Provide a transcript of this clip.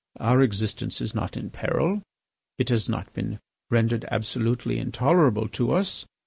Our existence is not in peril. It has not been rendered absolutely intolerable to us.